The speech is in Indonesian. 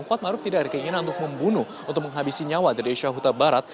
kuatmaruf tidak ada keinginan untuk membunuh untuk menghabisi nyawa dari syahuta barat